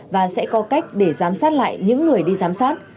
và sẽ có cách để giám sát lại những người đi giám sát